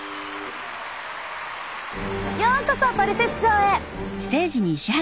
ようこそトリセツショーへ。